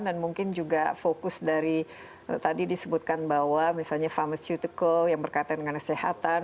dan mungkin juga fokus dari tadi disebutkan bahwa misalnya pharmaceutical yang berkaitan dengan kesehatan